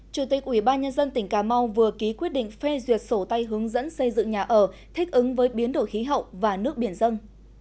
chủ tịch ubnd tỉnh cà mau vừa ký quyết định phê duyệt sổ tay hướng dẫn xây dựng nhà ở thích ứng với biến đổi khí hậu và nước biển dân